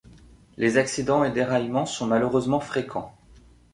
Les accidents et déraillements sont malheureusement fréquents.